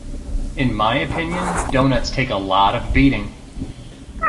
In my opinion, doughnuts take a lot of beating.